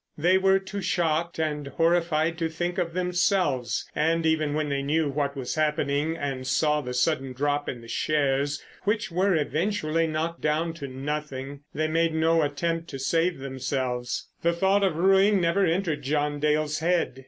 They were too shocked and horrified to think of themselves, and even when they knew what was happening and saw the sudden drop in the shares, which were eventually knocked down to nothing, they made no attempt to save themselves. The thought of ruin never entered John Dale's head.